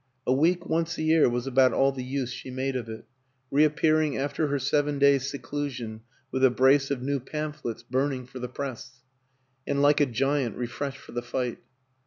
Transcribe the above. A week once a year was about all the use she made of it reappearing after her seven days' seclusion with a brace of new pamphlets burning for the Press, and like a giant refreshed for the fight.